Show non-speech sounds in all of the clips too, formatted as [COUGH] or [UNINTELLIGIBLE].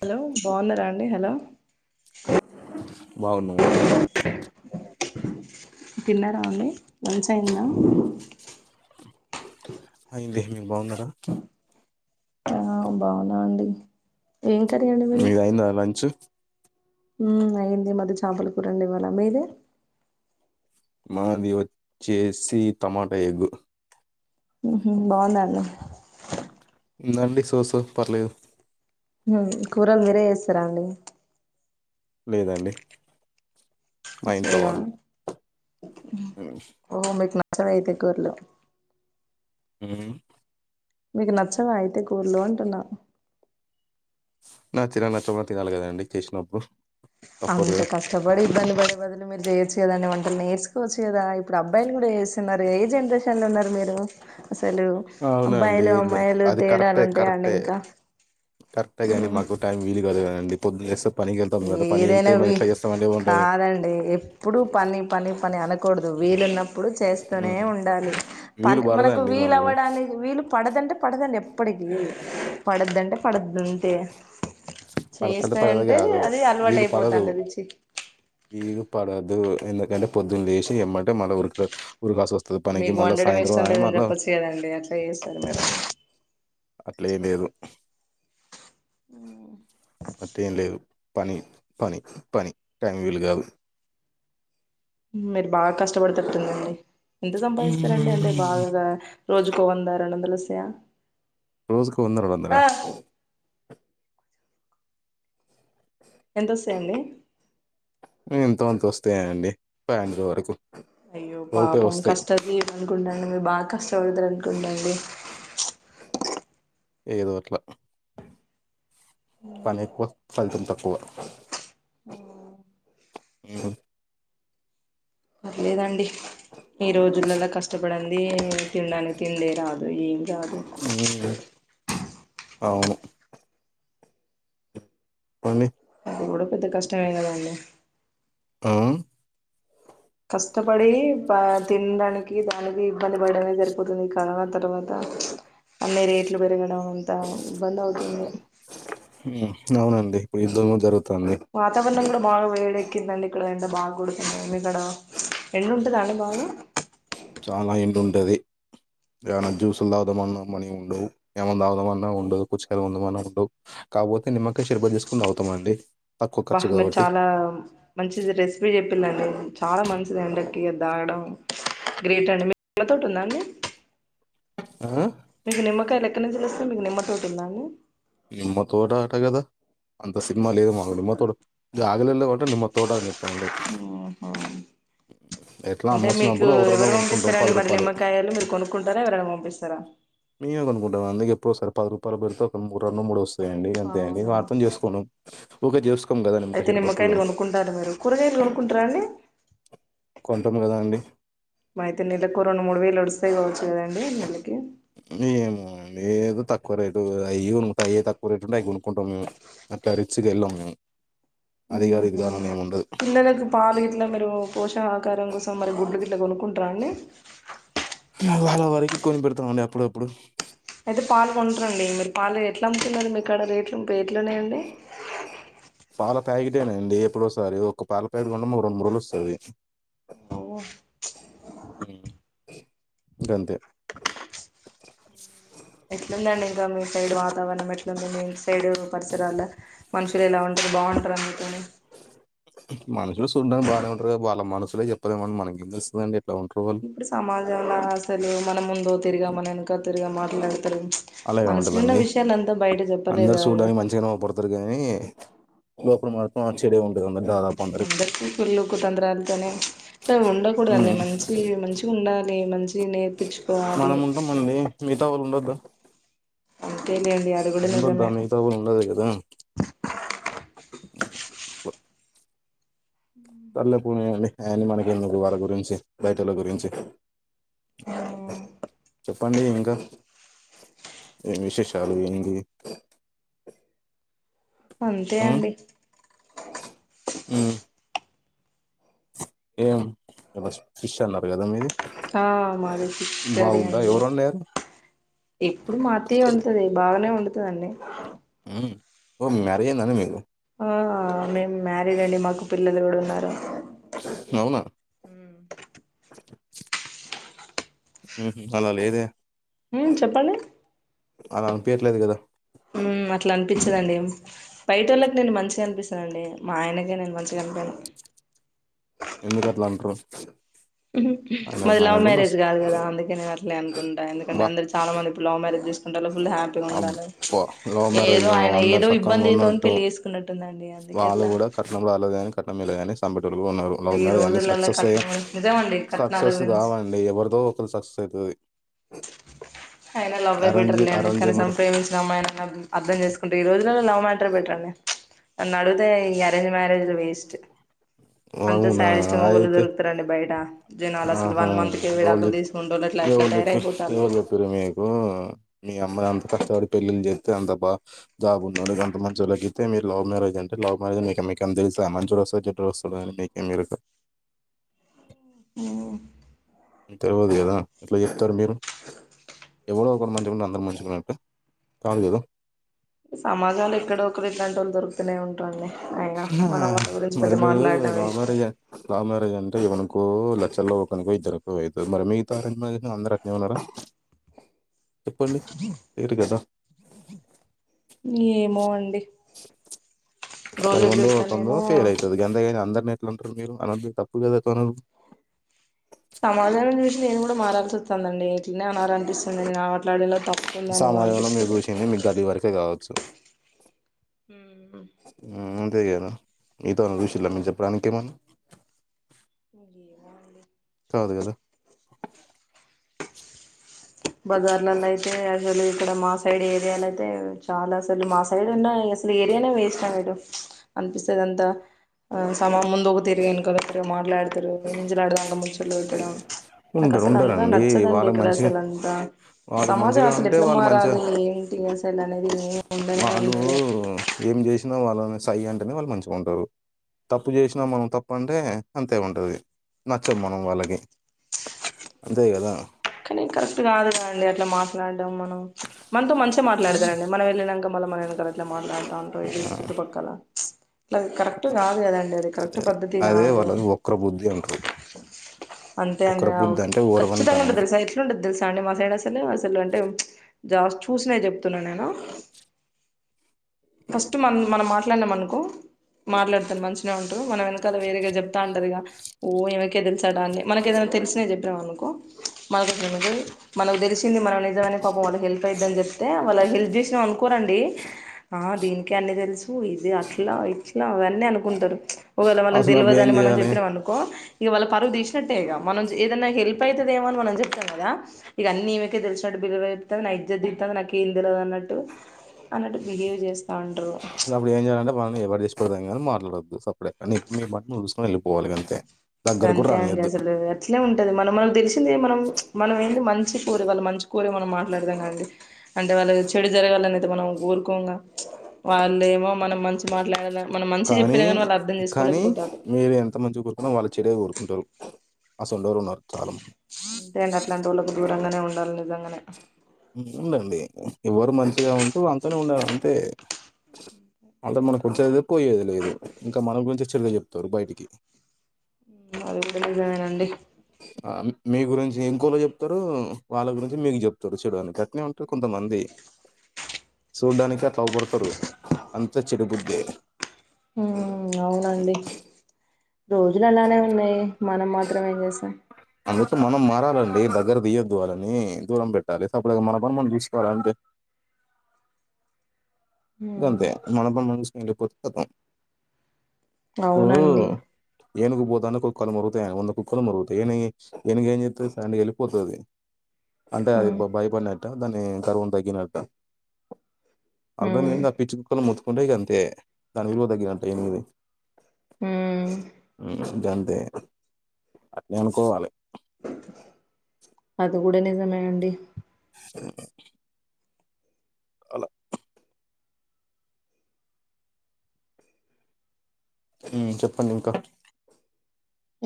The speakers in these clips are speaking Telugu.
హలో బాగున్నారా అండి హలో బాగున్నమండి తిన్నారా అండి లంచ్ అయంద అయింది మీరు బాగున్నారా ఆ బాగున్నామ్ అండి ఏం మీదయిందా లంచ్ హ్మ్మ్ అయింది మాది చేపల కూరండి ఇవాళ మీది మాది వచ్చేసి టమాటా ఎగ్గు హ్మ్మ్ బాగుందన్న ఉందండి సో సో పర్లేదు హ్మ్మ్ కూరలు మీరే చేస్తారా అండి లేదండి మా మీరు ఇంట్లో చేయరా వాళ్ళు హ్మ్మ్ ఓ మీక్ నచవైతే కూర్లు హ్మ్మ్ మీకు నచ్చగా అయితే కూర్లు అంటున్నా నాకు తిన నచ్చబుద్ధి కలగాలి కదండి చేసినప్పుడు తప్పదు అంత కదా కష్టపడి ఇబ్బంది పడే బదులు మీరు చేయొచ్చు కదాండడి వంటలు నేర్చుకోచ్చుదా ఇప్పుడు అబ్బాయిలు కూడా వస్తున్నారు ఏ జనరేషన్ లో ఉన్నారు మీరు అసలు అవునా అండి అబ్బాయిలు అమ్మాయిలు అది తేడాలు కరెక్టే ఉంటాయా అండి కరెక్టే ఇంకా కరెక్టే కాని మాకు టైం వీలు కదు కదండి ప ఏదైనా ఏమంటారు కాదండి ఎప్పుడు పని పని పని అనకూడదు వీలున్నప్పుడు చేస్తూనే మ్మ్. ఉండాలి వీలు పని మనకు పడదండి వీల మాకు అవ పడానికి వీళ్ళు పడదంటే పడదండి ఎప్పటికి పడద్దంటే పడదుంటే చేస్తాం ద వీలు పడదు వీరు పడదు ద్ ఎందుకంటే పొద్దున్న లేసి ఇమ్మంటే మన రుకు మీకు వండడం ఇష్టం లేదని చెప్పొచ్చు కదండి అట్లా చేస్తారు మరు అట్లేం లేదు మ్ అట్టెం లేదు పన్ పని పని టైం వీలు కాదు మీరు బాగా కష్టపడతారు తుందండీ ఎంత సంపాదిస్తారండి అంటే బాగా రోజుకు వంద రెండు వందల చ్చయా రోజుకు వందరు వందరా ఎంతొస్తాయండి ఎంతో అంత వస్తాయా అండి ఫ్యాండర్ వరకు అయ్యో లోపే పాపం వస్తాయి కష్ట జీవి అనుకుంటను మీరు బాగా కష్టపడతారు అనుకుంట అండి ఏదో అట్లా పని ఎక్కువ ఫలితం తక్కువ ఓహ్ పర్లేదండి ఈ రోజులలా కష్టపడిడి తినడానికి కిందే రాదు ఏం రాదు హ్మ్ అవును పండి ఆది కూడా పెద్ద కష్టం యే కదండి ఆ కష్టపడి ప తినడానికి దానికి కనపడడమే జరిపోతుంది కనా తర్వాత అన్ని రేట్లు పెరగడం అంతా ఇబ్బంది అవుతుంది. అవునండి ఇప్పుడు, యుద్ధము జరుగు. వాతావరణం కూడ బాగా వేడే. తగ్గిదండి ఇక్కడ ఎంట బాగా కొడుతోంది ఇక్కడ ఎండు ఉంటద అండి బాగా. చాలా ఎండు ఉంటది ఏమైనా జ్యూసులు దాగుదమన్నా మనీ ఉండవు ఏమన్నా దాగుదమన్న ఉండదు పుచకాయలు కొందమన్నా ఉండవు కాకపోతే నిమ్మకాయ షేర్పతి చేసుకోని తాగుతామండి. తక్కువ అబ్బా ఖర్చు నాకు కాబట్టి చాలా మంచి రెసిపీ చెపి. పిల్లలు చాలా మంచిది అందరికి అది తాగడం గ్రేట్ అండి మీ పూలతోట ఉందా అండి. ఆ మీకు నిమ్మకాయలు ఎక్కనుంచి తెస్తావ్ మీకు నిమ్మ. తోటుఅండి. నిమ్మ తోట ఆట గద అనిపిస్. [UNINTELLIGIBLE] ఆన్లైన్లో కొట్టండి మా తోట అనీ. ఎట్లా అమ్మ అంటే మీకూ, వచ్చినప్పుడు ఒకటి రెండో ఎవరు కొనుక్కుంటాం పంపిస్తారండి పది మరి రూపాయలు నిమ్మకాయలు, మీరు కొనుక్కుంటారా ఎవరైనా పంపిస్తారా. మేము అందుకే ఎప్పుడో ఒకసరి పాది రూపాలకు పెడసె కొనుకు. రొండు మూడుస్. లేండి అంతే అండి అవునా నువు అర్థం చేసుకోను. ఒక జ్యూస్. అయితే నిమ్మకాయలు కొనుక్కుంటారు మీరు కూరగాయలు కొనుక్కుంట్ర అండి. కొంటాం కదా అండి అయితే నెలకు ఓ రెండు మూడు వేలు ఒడుస్తాయి కావచ్చు కదండి నెలకి. ఏమో అండి ఏదో తక్కువ రేటు అయి ఉంటాయి తక్కువ రేటు ఉంటే అవి కొనుక్కుంటాం మే అట్ల రిచ్ గా ఎళ్ళాం మేము. అది గాని ఇది గాని అని ఏమి ఉండదు పిల్లలకి పాలు గిట్ల మీరు. పోషణ ఆకారం కోసం మరి గుడ్లు వి. అట్ల కొనుకుంట్ర అండి. వాళ్ళ వరకి కొని పెడతాం అండి అప్పుడప్పుడు. అయితే పాలు కొంటరండి మరి. ఆలు ఎట్ల అమ్ముతున్నరు మీకడ రేట్లు ఎట్లున్నాయండి. పాల ప్యాకెటేనండి ఎప్పుడు వొస్. సరే ఒక్క పాల్. రెండు మూడు రోజులు ఒస్తది. గంతే. ఎట్లుందండి ఇంకా మీ సైడ్ వాతావరణం ఎట్లుంది అండి. సైడ్ పరిసరాళ్ళ మనుషులు ఎలా ఉంటారు బాటరా మీతోని. [INAUDIBLE] మనషులు సూడానికి బానే ఉంటారు కానీ వాళ్ళ మనసు. నువే చెప్పాలొవన్ మనకి [UNINTELLIGIBLE] ఇప్పుడు సమాజంలో అసలు మన ముందు తిరిగం మన ఎనకల తిరిగం మాట్లాడి అలా ఏం ఉంటదండి, బయట చెప్పలేరు అందరు కదండి సూడ్డానికి మంచివనే అవ్ పడతారు కానీ లోపాల మాత్రం చెడే ఉం అందరికీ కుళ్ళు కుతంత్రాలతోనే సం ఉండకూడదండి మ్మ్ మంచీ మంచిగా ఉండాల్. లే మంచి నేర్పించుకోవాలి మనం ఉంటంమండి, మితా వాళ్ళు ఉండోద్ద అంతేలేండి అది కూడా ఉంగద్ద నిజమే మిగతావొ ఉండాది కదా. అ సర్లే పోనియండి అయిన్ని మనకెందుకు వాల గురించి బయటల గురించి ఆ చెప్పండి ఇంకా, ఏం విశేషాలు ఏంది. అంతే మ్మ్ అండి. మ్మ్ ఏం బస్ ఫిస్ అన్నారు కదా మీది ఆ మాది ఫిష్ కర్రీ బాగుందా అండి, ఎవరు వండారు ఎప్పుడు మా అత్తయ్య వండుతది బాగానే వండు తాన్ని హు, ఓ మ్యరేజ్ ఐందని మీకు ఆ మేమ్ మ్యారీడ్ అండి, మాకు పిల్లలు కూడా ఉన్నారు. ఔనా ఉహ్, అలా లేదె ఉమ్ చెప్పండి అలా అనిపియ్ ట్లేదు కదా. ఉ, అట్ల అనిపించదండి బయటొళ్ళక్ నేను మంచిగా అనిపిస్ అండి మా ఆయనకే నేను మంచిగా అనిపెను. ఎందుకు అట్ల అంట్రు మాది లవ్ మ్యారేజ్ కాదు కదా అందుకే నేన్ అట్లే అనుకుంటా ఎందుకంటే బా అందరు చాలా మంది ఇప్పుడు లవ్ మ్యారేజ్ చేస్ ఉంట లు ఫుల్ హ్యాపీగా ఉంటాలు, అబ్బా లవ్ మ్యారేజ్ ఏదో ఏమో ఆయన అందరు ఏదో సక్కంగా ఇబ్బందితోన్ ఉన్నట్టు పెళ్లి చేసుకున్నట్టుందండి. అందుకే అట్ల వాళ్ళు కూడా కట్నం రాలేదు కాని కట్నం మీద అనె సంబడ్ ఉన్నారు లవ్ మ్యారేజ్ అన్ని రోజులలో సక్సెస్ అయ్యి, కట్నం నిజమండి కట్నాల సక్సెస్ గురించి కావండి ఎవరిదో ఒకరు సక్సె సదువి ఐనా లవ్ బెట్టేర్ లేండి. మరి కనీసం ప్రేమించిన అమ్మాయైన అద్ అర్థం చేసుకుంటే ఈ రోజు ఇల్లల్లో లవ్ మాట్రే బెట్రర్ అండి. నన్ను అడిగితే ఈ అరేంజ్ మ్యారేజ్లు వేస్ట్ [INAUDIBLE] అంత అవునా శాడిస్ట్ మొగోళ్ళు అయితే దొరుకుతారండి బయట జనాలు అసలు ఆహా వన్ మంత్కే విడాకులు ఎవళు చె తీసుకుంటోళ్ళు అట్లా ఇట్లా ఎవరు తయారైపోతాళ్ళు చెప్పిండ్రు మీకు మీ అమ్మను ఎంత కష్టపడి పెళ్ చెస్తే అంత బా జాబ్ ఉండేఒడికి అంత మంచోలకిస్తే మీరు లవ్ మ్యారేజ్ ంటే లవ్ మ్యారేజ్ మీకు మీకుతెళ్స మంచోడు వస్స చెడ్డోడు వస్స డు అని మీకే మీరు ఓ తెలువదు కదా థర్ మీరు ఎవరో ఒకరు మంచిగాంటె అందరు మంచిగాన్నట్టు కాదు కదా సమాదాలు ఎక్కడో ఒకరు ఇట్లాంటోల్లు దొరుకు తనే ఉంటారులే హుమ్ మరి మీరు love waste marriage love marriage అంటే ఇవను కు లచ్చల్లో ఓకనుకో ఇద్దరీ కో అయితది మరి మీగత అరేంజ్మెంట్ మ్యారేజ్ అందరు అట్ననే ఉన్నారా చెప్పండి లేరు కదా ఏమో అండి అలా రోజులు ఏవందో ఒకంధో చూస్తానేమో ఫేల్ అయితది గంతేగానీ అం ద్ద్ అట్లే ఎట్లాంటారు మీరు అన్నదు తప్పు కదా [INAUDIBLE] సమాజాం చూసి నేను కూడా మారల్సి వస్తుందండి ఇట్లనే అనాల అనిపిస్తుంది కాబా సమాజంలో మీరు చూసింది మీకు గలీ వరకే కావచ్చు ఉమ్ ఉమ్ అంతేగద మీత వాళ్ళని చూసిండ్ర మీరు చెప్పడానికి ఏమన్నా ఏమో అండి కాదు చూడాలి. కదా బజారాలలా నయితే తెలీదు ఇక్కడ మా సైడ్ ఏరియాలోయితే చాలా అసలు మా సైడ్ ఉన్ డాయి [INAUDIBLE] అనిపిస్తదంతా ఆ సమాముందుకు తిరిగి ఇంకా దగ్గరే మా ట్లాడుతారు ఏ గంజలా ఆడదు ముచ్చట్లు పెట్టడం నాకు ఉంటారు అసలు అంతా ఉంటారండి నచ్చదండి వాళ్ళకి ఇక్కడ మంచిగా అసలు అంతా వాళ్ళకి సమాజం మంచిగా అసలు ఉంటే ఎట్లా వాళ్ళు మంచిగా మారాలి ఏంటి అసలు అనేది ఏమి ఉండ వాళ్ళు ఉండదు ఏం చేసినా వాళ్ళని సై అంటేనే వాళ్ళు మంచిగా ఉంటారు తప్పు చేసినా మనం తప్పు అంటే అంతే ఉంటుది నచ్చాం మనం వాళ్ళకి అంతే కదా కరెక్ట్ కాదుగా అండి అట్లా మాట్లాడడం మనం మనతో మంచిగా మాట్లాడతరండి మనం వెళ్ళినాంక మళ్ళీ మన వెనకాల అట్లే మాట్లాడుతాంటార్ ఇ చుట్టుపక్కల అది కరెక్ట్ కాదు కదండి అది కరెక్ట్ పద్ధతి అదే కాదు వాళ్ళ వక్ర బుద్ధి అంటారు అంతే వక్ర అండి బుద్ధి అఓక అంటే ఖచ్చితంగా ఊరవనితనం అండి ద్రస అయి అలుంట తెలుస అండి మాస అయిన అసలు అసలు అంటే జాస్ చూసిన చెప్ న్నా నేనా ఫస్ట్ మన మనం మాట్లాడినాంనుకో మాట్లాడతాను మంచిగా ఉంటూ మనం వెనకదా వేరేగా చెప్తా అంటారు ఇ ఓ ఏమైక తెలుసాడా అని మనక ఏదైనా తెలిసిన చెప్పినాం అనుకో మనకు మనకు తెలిసింది మనం నిజమనే పాపం వాళ్ళకి హెల్ప్ అయిదిని చెప్తే వాళ్ళ హెల్ప్ చేసినాం అనుకోరండి ఆ దీనికి అన్ని తెలుసు ఇది అట్లా ఇట్లా అవన్నీ అనుకుంటారు ఒకవేళ వాళ్ళకి అసలు అప్పుడు ఏం తెలివదుని మనం చేయాలి చెప్పినాం అనుకో ఇక వాళ్ళ పరుగు తీసినట్టే ఇ మనం ఏదన్నా హెల్ అవుతుదేమోని మనం చెప్తాం కదా ఇ అన్ని ఈమక తెలిసినట్టు బిల్లుగా చెప్తుంది నా ఇజ దితుంది నాక ఏం తెలియదు అన్నట్టు అట్ అసలు అప్పుడు ఏం చేయాలంటే వాళ్ని ఎరి చే ధంగా మ మాట్లాడద్దు సపరేట్ కానీ మీ పంటని చసుకనిళ్ళిపోవాలి అంతే దగ్గర కూడా అంతే అండి రానియద్దు అసలు అట్లే ఉంటది మనం మనకు తెలిసింది మనం మనం ఏంది మంచి కోరే వాళ్ళ మంచి కోరి మనం మాట్లాడదాం కాండి అంటే వాళ్ళ చెడు జరగాలని అయితే మనం ఊరుకోగా వాళ్ళేమో మనం మంచి మాట్లాడే మనం మంచి చెప్పినా కానీ వాళ్ళు అర్థం కానీ చేసుకోలేకపోతారు మీరు ఎంత మంచిగా కోరుకున్నా వాళ్ళు చెడే గోరుకుంటరు అసలు డోరున్నార్ తాళం అంతే అండి అట్లాంటోళ్ళకి దూరంగానే ఉండాల్లే జంగానే ఉందండి ఎవరు మంచిగా ఉంటే వాంతోనే ఉండాల అంతే అంత మనం కొచ్చేది పోయేది లేదు ఇంకా మన గురించి చెడుగా చెప్తారు బయటికి అది గూడ నిజమేనండి మీ గురించి ఇంకోళ్ళకి చెప్తారు వాళ్ళ గురించి మీకు జొప్తారు చెడు అని గట్నే ఉంటారు కొంతమంది చూడ్డానికే అట్ల అవుపడతారు అంతే చెడుబుద్దే ఉమ్ అవునండి రోజులు అలానే ఉన్నాయ్ మనం మాత్రం ఏం జేస్తాం అందుతో మనం మారాలండి దగ్గర తీయొద్దు వాళ్ళని దూరం పెట్టాలి సప్పడకా మన పని మనం చూసుకోవాల అంతే ఉమ్ ఇదంతే మనపని మ ఇండిపో [UNINTELLIGIBLE] కథం అవునండి. ఏనుగు పోతాన్న కుక్కలు మొరుగుతాయ వంద కుక్కలు మొరుగుతాయి ఏను ఎనుగేం జేత్తది సైండ్ గా ఎళ్ళిపోతది అంటే అది ఉమ్ భయపడిన దాన్ని గర్వం తగ్గినారట ఉమ్ మే పిచుకులు ము డగా అంతే దాని విలువ తగ్గినంట ఏనిది ఉమ్ అ గంతే అట్నే వనుకోవాలి అదికూడ నిజమేనండి హ్మ్ అలా మ్మ్ చెప్పండి ఇంకా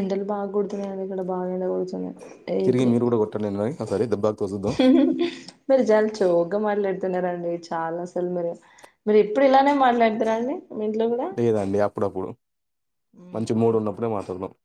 ఎండలు బాగుకొడుతున్నాయ్ కదా ఇక్కడ బాగఎండకొడుతుంది టే తిరిగి ఇప్పుడు మీరు కూడా కొట్టండి మరి ఒకసారి దెబ్బకు తోసుద్దాం మీరు జాల జోక్గా మాట్లాడు తున్నారండి చాలా అసలు మీరు మీరు ఎప్పుడు ఇలానే మాట్లాడుతార అండి మీ ఇంట్లో కూడా లేదండి అప్పుడప్పుడు మ్మ్, మంచి మూడు ఓకే ఉన్నప్పుడే మాట్లాడుదాం